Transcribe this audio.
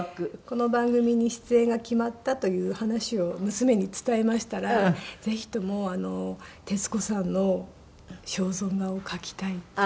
この番組に出演が決まったという話を娘に伝えましたらぜひとも徹子さんの肖像画を描きたいって。